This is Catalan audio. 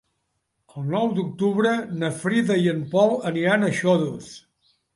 El nou d'octubre na Frida i en Pol aniran a Xodos.